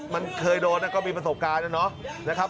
มันเคยโดนแล้วก็มีประสบการณ์นะครับ